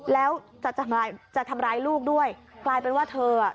แล้วจะจะทำร้ายลูกด้วยกลายเป็นว่าเธออ่ะ